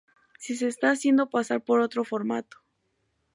Si se está haciendo pasar por otro formato.